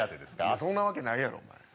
そんなわけないやろ、お前。